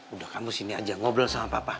udah kamu sini aja ngobrol sama papa